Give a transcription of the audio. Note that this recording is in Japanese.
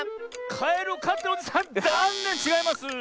カエルをかってるおじさんざんねんちがいます。